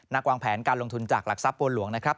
วางแผนการลงทุนจากหลักทรัพย์บัวหลวงนะครับ